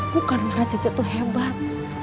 bukan karena cece tuh hebat